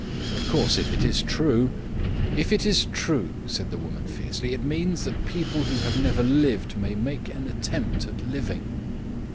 Of course, if it is true " "If it is true," said the woman fiercely, "it means that people who have never lived may make an attempt at living."